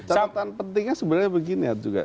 catatan pentingnya sebenarnya begini juga